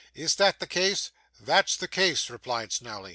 Is that the case?' 'That's the case,' replied Snawley.